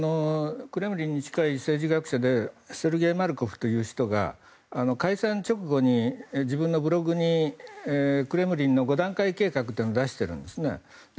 クレムリンに近い政治学者でセルゲイ・マルコフ氏という人が開戦直後に自分のブログにクレムリンの５段階計画というのを出しているんですね。